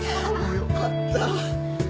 よかった。